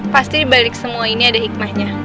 pasti dibalik semua ini ada hikmahnya